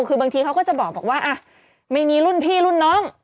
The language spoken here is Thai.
คือบางทีเขาก็จะบอกว่าไม่มีรุ่นพี่รุ่นน้อง